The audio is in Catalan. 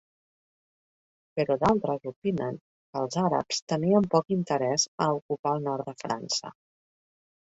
Però d'altres opinen que els àrabs tenien poc interès a ocupar el nord de França.